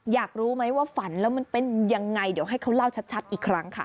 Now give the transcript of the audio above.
อยากรู้ไหมว่าฝันแล้วมันเป็นยังไงเดี๋ยวให้เขาเล่าชัดอีกครั้งค่ะ